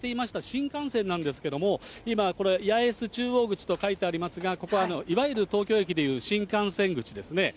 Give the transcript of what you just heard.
新幹線なんですけど、今、これ、八重洲中央口と書いてありますが、ここはいわゆる東京駅でいう新幹線口ですね。